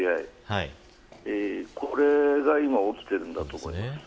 これが今起きているんだと思います。